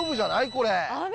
これ。